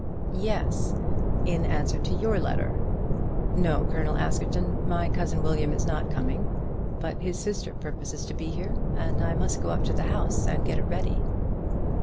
"Yes; in answer to your letter. No, Colonel Askerton, my cousin William is not coming. But his sister purposes to be here, and I must go up to the house and get it ready."